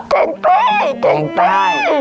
แกงใต้แกงใต้